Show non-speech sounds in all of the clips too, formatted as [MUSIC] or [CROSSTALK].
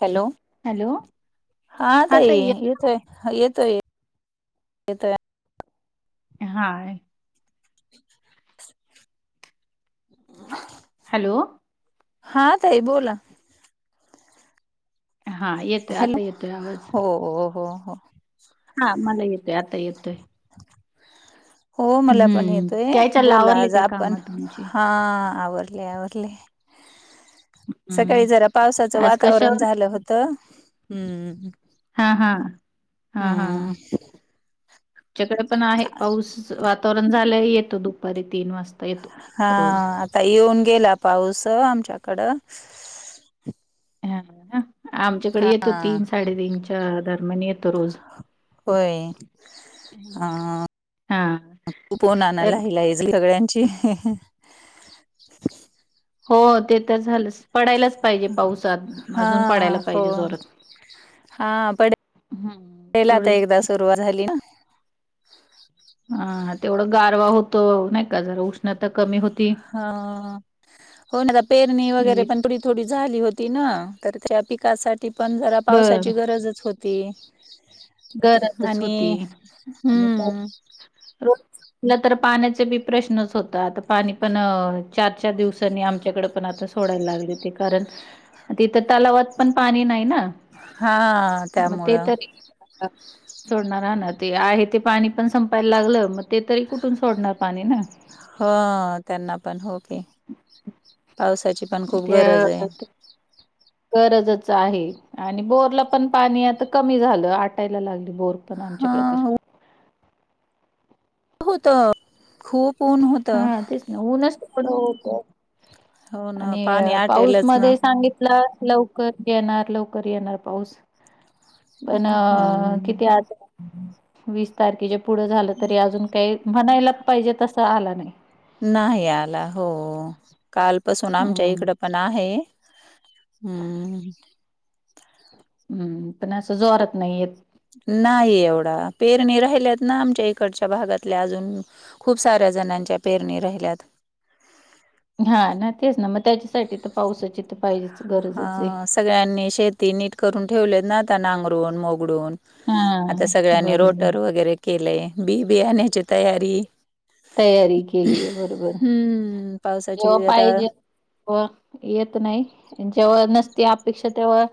Hello hello हा तई ताई ये- येतय. हा येतोय येतो. हाय. [INAUDIBLE] हॅलो! हा तई बोला. हां येतो आहे आता येतो आहे आवाज. होओ हो हो. हा मला येतोय आता येतोय. [INAUDIBLE] हो मला पण हम्म येतोय काय चाललं बोला आवरले आज काय आपण काम तुमची हा आवरले आव हम्म सकाळी जरा पावसाचं आज वातावरण कशावर झालं होत. तर हम्म. हा हा हा हा हम्म तआमच्याकडे पण आहे पाऊस वातावरण झालं येतो दुपारी तीन वाजता. येतो हा रोज आता येऊन गेला पाऊस आमच्याकडं. हा ह आमच्याकडे येतो हा तीन साडेतीीनच्या दरम्यान येतो रोज- होय हम्म. हा हा तर [UNINTELLIGIBLE] सगळ्यांची हो ते तर झालं पडायलाच पाहिजे पाऊसात हा अजून पडायला हो पाहिजे ना जोरात. हा हम्म पडेल आता तेवढंच एकदा सुरुवात झाली ना. ह तेवढं गारवा होत नाही का जरा उष्णता कमी होती. हा हो ना पेरणी वगैरे पण पुढ ''--'' थोडी झाली होती ना तर त्या पिकासाठी पण जरा बरं. पावसाची गरजच होती. ती. गरजच होती आणि पॉ ''--'' हम्म रोजलं तर पाण्याचे बी प्रश्नच होत आता पाणी पण अ. चार चार दिवसांनी आमच्याकडे पण आता सोडायला लागली ते कारण तिथं तलावात. पण पाणी नाही ना. हा त्यामुळं. ''हां'' सोडणार आहे ना ते आहे ते पाणी पण संपायला लागलं मग ते तरी कुठून सोडणार पाणी ना. ह त्यांना पण होके पावसाची पण खूप त्या गरज आहे. गरजच आहे आणि बोरला पण पाणी आता कमी झालं आटायला लागली बोर. पण हा आमच्याकडं तर. होत खूप. ऊन होत हा तेच नाही ऊनच तिकडं होतं. हो ना आणि पाणी पाऊस आटेलच ना मध्ये सांगित''--'' ल लवकर येणार लवकर येणार पाऊस. पण अ हम्म किती अजून. वीस तारखेच्या पुढे झालं तरी अजून काही म्हणायला पाहिजे तसं आला नाही. नाही आला हो कालपसून आमच्या हम्म इकड पण आहे. हम हम. हम्म पण असं जोरत नाही येत. नाही एवढा पेरणी राहिल्यात ना आमच्या इकडच्या भागातल्या अजून. खूप साऱ्या जणांच्या पेरणी राहिल्यात. हा ना तेच ना मग त्याच्यासाठी तर पावसाची तर पाहिजेच गरजच आहे. हा सगळ्यांनी शेती नीट करून ठेवलेत ना आता नांगरून मोगडून. हा आता सगळ्यांनी बरोबर रोटर वगैरे केलेय बी बियाण्याची तयारी. तयारी केलीय बरोबर हम्म व पावसाची आता पाहिजे. व येत नाही जेव्हा नसती अपेक्षा तेव्हा.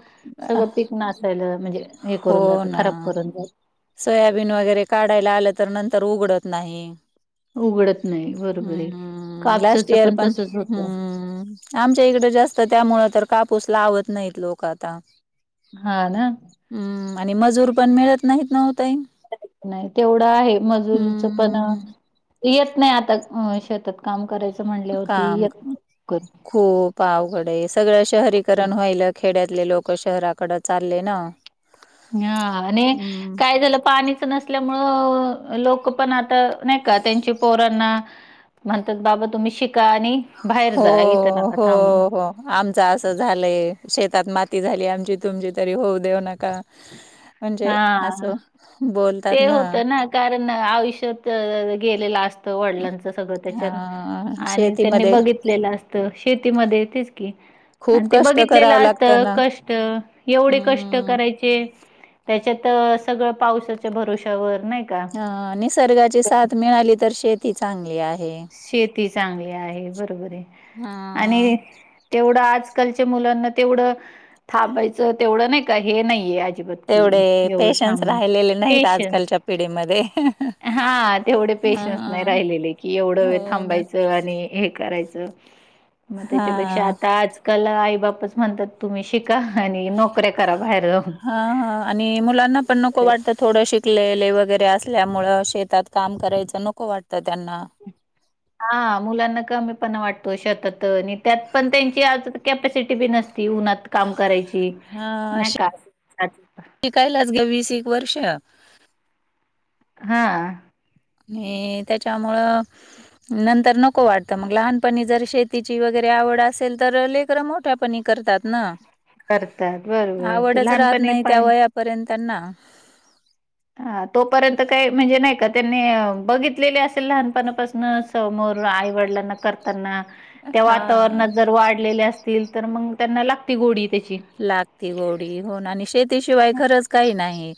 सगळं पीक नसायला म्हणजे हे हो करून जात ना खराब करून जात. सोयाबीन वगैरे काढायला आलं तर नंतर उघडत नाही. उघडत नाही बरोबर हम्म आहे. हम्म लास्ट कापसाचं इयर पण तसच होतं हम्म. आमच्या इकडें जास्त त्यामुळं तर कापूस लावत नाहीत लोक आता. हा ना. हम्म आणि मजूर पण मिळत नाहीत नव्हताही. नाही तेवढं आहे मजुरच पण हम्म. येत नाही आता शेतात. काम करायचं म्हणल्यावर ती काम येत नाहीत लवकर. खूप पावघडे सगळं शहरीकरण व्हायल''--'' खेड्यातले लोक शहराकडं चालले ना. हा आणि हम्म. काय झालं पाणी. नसल्यामु लोक पण आता नाही का त्यांची पोरांना. म्हणतात बाबा तुम्ही शिका आणि. बाहेर हो जा इथं नका हो थांबू हो. आमचा असं झालंय शेतात माती झाली आमची तुमची तरी होऊ देऊ नका म्हणजे हा असं ते होतं ना. कारण आयुष्यात गेलेला असत वडिलांच सगळं त्याच्या हा आणि त्यांनी शेतीमध्ये बघितलेलं असतं शेतीमध्ये तेच की खूप आणि ते कष्ट बघितलेलं करावं लागतं असतं ना कष्ट एवढे कष्ट हम्म. करायचे त्याच्यात सगळं पावसाच्या भरवश्यावर नाही का ह निसर्गाची साथ मिळाली तर शेत ती चांगली आहे. शेती चांगली आहे बरोबर आहे हा आणि तेवढं आजकालच्या मुलांना तेवढं थांबायचं तेवढं नाही का हे नाहीये अजिबात कि तेवढे एवढं पेशन्स थांब राहिलेले नाहीत आजकालच्या पिढीमध्ये. हा तेवढे पेशन्स नाही हां, राहिलेले की एवढं वेळ हो ना. थांबायचं आणि हे करायचं मग त्याच्यापेक्षा हां. आताच कला आई बापच म्हणतात तुम्ही शिका आणि नोकऱ्या करा बाहेर जाऊन ह हा आणि मुलांना पण नको खरंय. वाटतं थोडं शिकलेले वगैरे असल्यामुळं शेतात काम करायचं नको नको वाटतं त्यांना. हो [UNINTELLIGIBLE] हा मुलांना कमी पणा वाटतो शतात आणि त्यात पण त्यांची आज कॅपॅसिटी बी नसती उन्हात काम करायची हां, नाही का असं. शिकायलाच घे वीस, एक वर्ष हा.. आणि त्याच्यामुळं नंतर नको वाटतं मग लहानपणी जर शेतीची वगैरे आवड असेल तर लेकर मोठ्या पणी करतात ना. करतात बरोबर ते लहानपणी पण पर्यंत त्यांना हा तोपर्यंत काही म्हणजे नाही का त्यांनी बघितलेले असेल लहानपणापासूनच समोर आई वडिलांना करताना त्या हां. वातावरणात जर वाढलेल्या असतील तर मग त्यांना लागते गोडी त्याची लागती गोडी होन आणि शेतीशिवाय खरंच काही नाही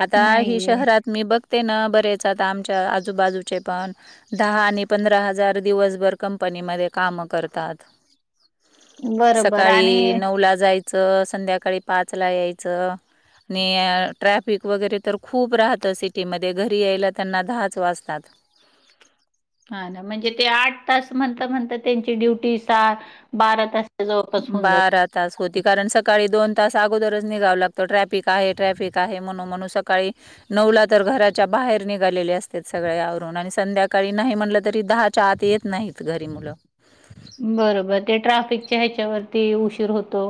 आता हि नाहीये शहरात मी बघते ना बरेच आता आमच्या आजूबाजूचे पण दहा आणि पंधरा हजार दिवसभर कंपनीमध्ये काम करतात. बरोबर सकाळी आणि नऊ ला जायचं संध्याकाळी पाच ला यायचं आणि ट्रॅफिक वगैरे तर खूप राहतं सिटीमध्ये घरी यायला त्यांना दहाच वाजतात हा ना म्हणजे ते आठ तास म्हणता, म्हणता त्यांची ड्युटी सहा, बारा तास जवळपास होऊन जाते बारात तास होती कारण सकाळी दोन तास अगोदरच निघावं लागतं ट्रॅफिक आहे ट्रॅफिक आहे म्हणून म्हणून सकाळी नवला तर घराच्या बाहेर निघालेले असते सगळवरून आणि संध्याकाळी नाही म्हणलं तरी दहा च्याआत येत नाहीत घरी मुलं. बरोबर ते ट्राफिकच्या ह्याच्यावरती उशीर होतो.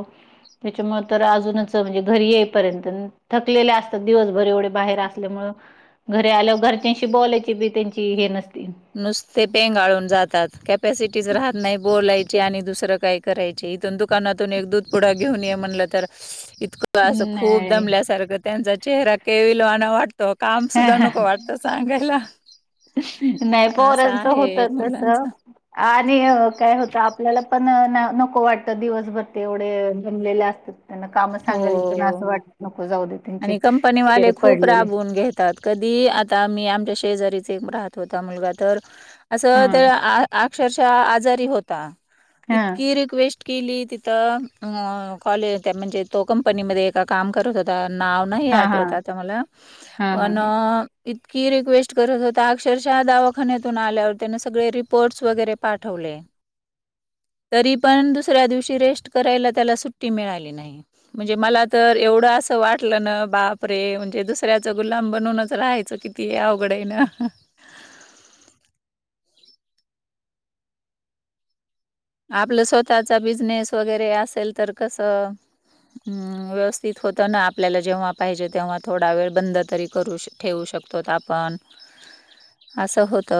त्याच्यामुळ तर अजूनच म्हणजे घरी येईपर्यंत थकलेले असतात दिवसभर एवढे बाहेर असल्यामुळ घरी आल्यावर घरच्यांशी बोलायची बी त्यांची हे नसती नुसते पेंगाळून जातात कॅपॅसिटीच राहत नाही बोलायची आणि दुसरं काही करायथून दुकानातून एक दूध पुढा घेऊन ये म्हण तर इं त असं खूप नाही दमल्यासारखं त्यांचा चेहरा केविलवाना वाटतो काम सुद्धा नको वाटत तर सांगायला नाही असं पोरांचं होत आहे तस मुलांच आणि काय होतं आपल्याला पण नको वाटतं दिवसभर ते एवढे जमलेले असतात त्यांना काम सांगायच ना हो असं वाटत नको जाऊ दे त्यांचे आणि कंपनीवाले फरे खूप पडलेले राबवून घेतात. कधी आता आम्ही आमच्या शेजारीचे राहत होता मुलगा तर असं हा अक्षरशः आजारी हो हा इतकी रिक्वेस् केली तिथ कॉलेज त्या म्हणजे तो कंपनीमध्ये एका काम करत होता आता नाव नाही हा हा आठवत आता मला हा पण हा इतकी रिक्वेस्ट करत होता अक्षरशः दवाखान्यातून आल्यावर त्याने सगळे रिपोर्ट्स वगैरे पाठवले [INAUDIBLE] तरी पण दुसऱ्या दिवशी रेस्ट करायला त्याला सुट्टी मिळाली नाही म्हणजे मला तर एवढं असं वाटलं ना बापरे म्हणजे दुसऱ्याच गुलाम बनूनच राहायचं कि ते किती अवघड आहे ना आपलं स्वतःचा बिजनेस वगैरे असेल तर कसं अम व्यवस्थित होत ना आपल्याला जेव्हा पाहिजे तेव्हा थोडा वेळ बंद तरी करू शकतो ठेवू शकतोत आपण ह [INAUDIBLE] अस होत